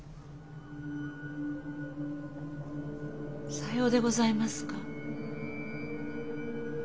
さようでございますか。